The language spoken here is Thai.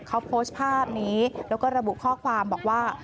เขาโพสต์ภาพนี้แล้วก็ระบุข้อความบอกว่า